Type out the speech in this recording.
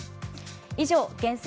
以上、厳選！